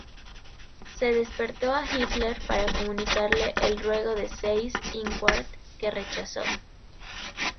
Se despertó a Hitler para comunicarle el ruego de Seyss-Inquart, que rechazó.